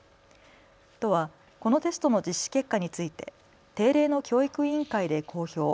都はこのテストの実施結果について定例の教育委員会で公表。